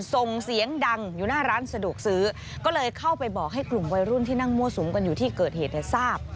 ส่งเสียงดังอยู่หน้าร้านสะดวกซื้อก็เลยเข้าไปบอกให้กลุ่มวัยรุ่นที่นั่งมั่วสุมกันอยู่ที่เกิดเหตุเนี่ยทราบ